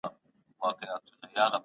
چي مي ناپامه هغه تيت څراغ ته